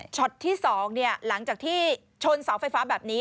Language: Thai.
ช็อตที่สองเนี่ยหลังจากที่ชนเสาไฟฟ้าแบบนี้